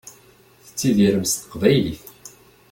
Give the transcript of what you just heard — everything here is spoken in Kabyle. Tettidirem s teqbaylit.